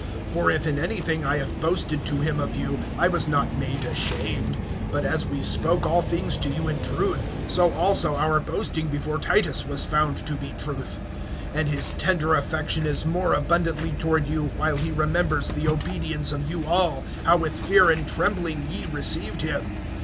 (14)For if in any thing I have boasted to him of you, I was not made ashamed; but as we spoke all things to you in truth, so also our boasting before Titus was found to be truth. (15)And his tender affection is more abundantly toward you, while he remembers the obedience of you all, how with fear and trembling ye received him.